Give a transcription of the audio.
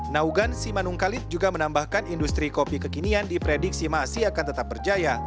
nah ugan si manungkalit juga menambahkan industri kopi kekinian diprediksi masih akan tetap berjaya